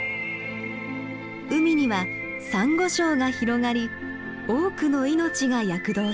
海にはサンゴ礁が広がり多くの命が躍動します。